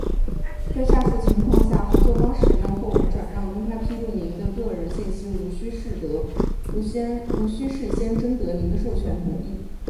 在下述情况下，合作方使用，或我们转让、公开披露您的个人信息无需事先征得您的授权同意：